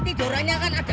itu busunya ya mbak ya